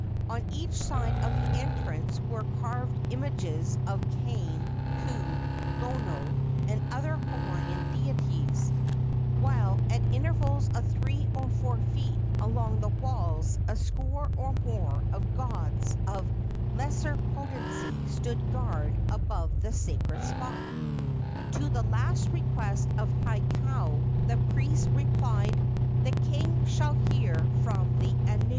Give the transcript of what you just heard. On each side of the entrance were carved images of Kane, Ku, Lono and other Hawaiian deities, while at intervals of three or four feet along the walls a score or more of gods of lesser potency stood guard above the sacred spot. To the last request of Hakau the priest replied: "The king shall hear from the anu."